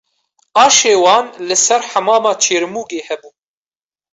Aşê wan li ser Hemama Çêrmûgê hebû